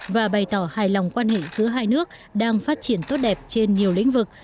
và bày tỏ hài lòng quan hệ giữa hai nước đang phát triển tốt đẹp trên nhiều lĩnh vực